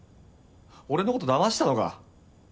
俺の事だましたのか？